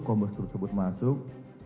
kompos tersebut masuk